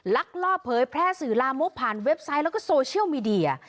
ลักลอบเผยแพร่สื่อลามกผ่านเว็บไซต์แล้วก็โซเชียลมีเดีย